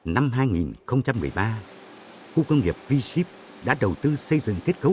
năm hai nghìn một mươi ba khu công nghiệp v ship đã đầu tư xây dựng kết cấu